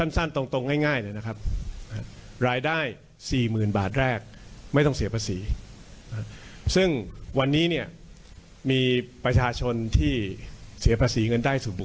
๕ล้านกว่าชีวิต